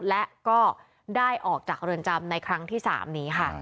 และก็ได้ออกจากเรือนจำในครั้งที่๓นี้ค่ะ